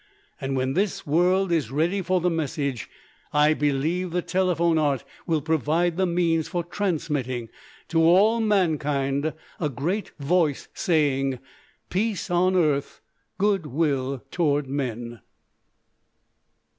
And, when this world is ready for the message, I believe the telephone art will provide the means for transmitting to all mankind a great voice saying, "Peace on earth, good will toward men."